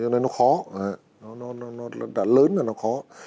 nên nó khó nó đã lớn rồi nó khó